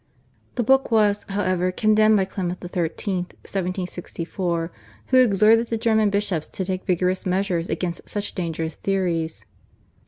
The book was, however, condemned by Clement XIII. (1764), who exhorted the German bishops to take vigorous measures against such dangerous theories.